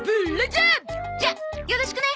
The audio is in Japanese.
じゃよろしくね！